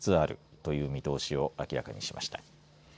という見通しを明らかにしました。